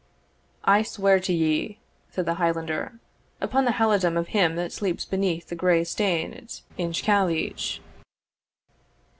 "I swear to ye," said the Highlander, "upon the halidome of him that sleeps beneath the grey stane at Inch Cailleach."